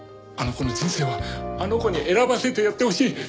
あの子の人生はあの子に選ばせてやってほしい。